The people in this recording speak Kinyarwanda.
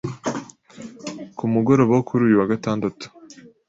ku mugoroba wo kuri uyu wa gatandatu